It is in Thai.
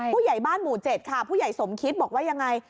ผู้ใหญ่บ้านหมู่๗ค่ะผู้ใหญ่สมคิดบอกว่ายังไง